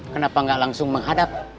kenapa nggak langsung menghadap